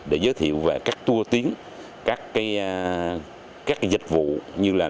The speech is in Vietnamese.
để giới thiệu về các tua tiến các dịch vụ như là